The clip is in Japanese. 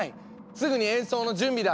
すぐに演奏の準備だ！